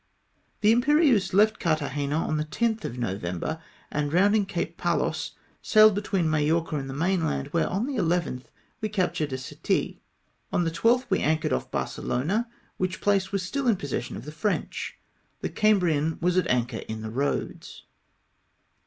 The Imphieuse left Carthagena on the 10th of November, and rounding Cape Palos, passed between Majorca and the mainland, where, on the 11th, we captured a settee. On the 12th we anchored off Bar celona, which place was still in possession of the French. The Cambrian was at anchor in the roads.